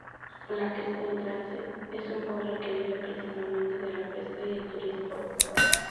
Lakes Entrance es un pueblo que vive principalmente de la pesca y el turismo.